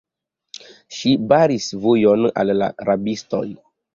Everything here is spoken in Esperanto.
Ŝi baris vojon al la rabistoj.